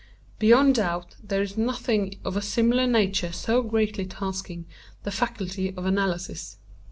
Beyond doubt there is nothing of a similar nature so greatly tasking the faculty of analysis.